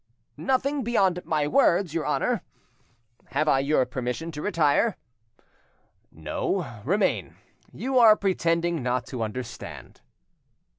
"Nothing beyond my words, your Honour, Have I your permission to retire?" "No, remain; you are pretending not to understand."